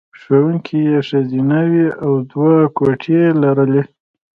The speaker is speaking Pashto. ښوونکې یې ښځینه وې او دوه کوټې یې لرلې